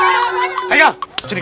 emang pernah ngerasain